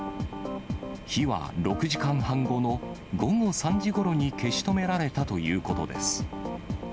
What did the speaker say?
火は６時間半後の午後３時ごろに消し止められたということです。